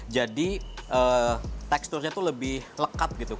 jadi teksturnya itu lebih lekat gitu